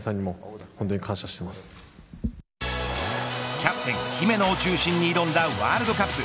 キャプテン姫野を中心に挑んだワールドカップ。